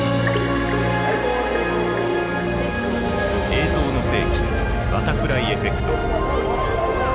「映像の世紀バタフライエフェクト」。